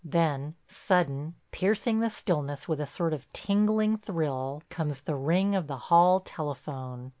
Then sudden, piercing the stillness with a sort of tingling thrill, comes the ring of the hall telephone.